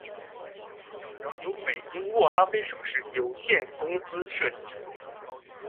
航天功勋奖章由北京握拉菲首饰有限公司设计制作。